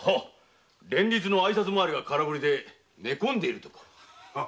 連日のあいさつ回りが空振りで寝込んでいるとか。